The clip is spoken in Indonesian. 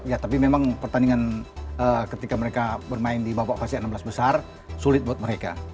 ya tapi memang pertandingan ketika mereka bermain di babak fase enam belas besar sulit buat mereka